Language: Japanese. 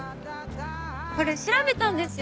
これ調べたんですよ